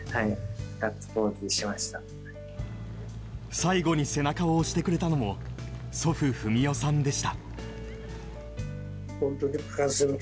最後に背中を押してくれたのも祖父・文雄さんでした。